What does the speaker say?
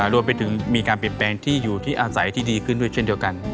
รวมไปถึงมีการเปลี่ยนแปลงที่อยู่ที่อาศัยที่ดีขึ้นด้วยเช่นเดียวกัน